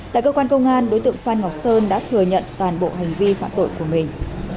tại cơ quan công an đối tượng phan ngọc sơn đã thừa nhận toàn bộ hành vi phạm tội của mình